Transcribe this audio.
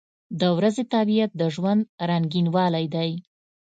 • د ورځې طبیعت د ژوند رنګینوالی دی.